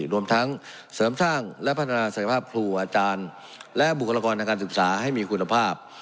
รวมทั้งเสริมสร้างและพัฒนาศักยภาพครูอาจารย์และบุคลากรทางการศึกษาให้มีคุณภาพ